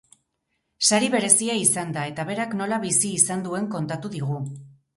Sari berezia izan da, eta berak nola bizi izan duen kontatu digu.